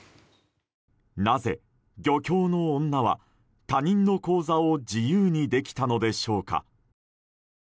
なぜ、漁協の女は他人の口座を自由にできたのでしょうか。